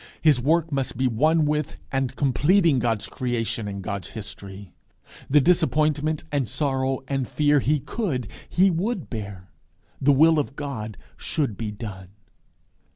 His work must be one with and completing God's Creation and God's History. The disappointment and sorrow and fear he could, he would bear. The will of God should be done.